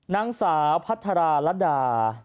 นางสาวพัทรดา